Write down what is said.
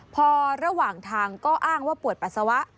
พอระหว่างทางก็อ้างว่าปวดปัสสาวะ